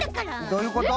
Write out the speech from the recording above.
どういうこと？